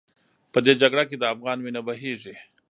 په دې جګړه کې د افغان وینه بهېږي.